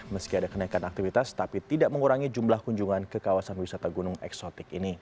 meski ada kenaikan aktivitas tapi tidak mengurangi jumlah kunjungan ke kawasan wisata gunung eksotik ini